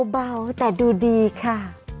เบาแต่ดูดีค่ะ